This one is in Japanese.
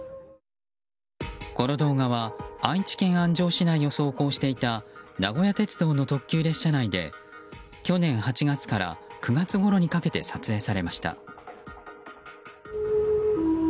この動画は愛知県安城市内を走行していた名古屋鉄道の特急列車で去年８月から９月ごろにかけて撮影されました。